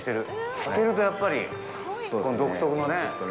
漬けると、やっぱりこの独特のね。